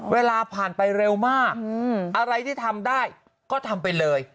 เวลาผ่านไปเร็วมากอะไรที่ทำได้ก็ทำไปเลย